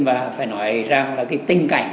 và phải nói rằng là cái tình cảnh